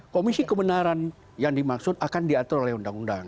komisi kebenaran yang dimaksud akan diatur oleh undang undang